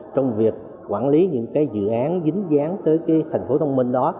trong việc quản lý những cái dự án dính dán tới cái thành phố thông minh đó